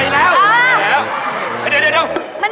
มีความรู้สึกว่า